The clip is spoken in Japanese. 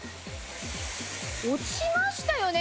落ちましたよね？